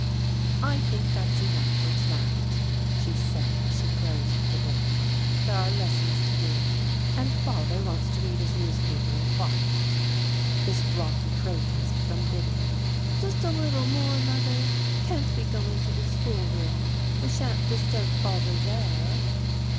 "I think that's enough for to night," she said, as she closed the book. "There are lessons to do and father wants to read his newspaper in quiet." This brought a protest from Biddy. "Just a little more, mother! Can't we go into the schoolroom? We shan't disturb father there."